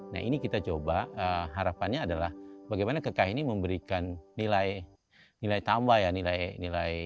nah ini kita coba harapannya adalah bagaimana kekah ini memberikan nilai tambah ya